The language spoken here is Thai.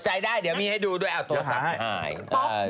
อดใจได้เดี๋ยวมีให้ดูด้วยอัลโตรสาร